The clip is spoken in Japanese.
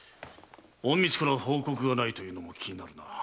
隠密から報告がないというのも気になるな。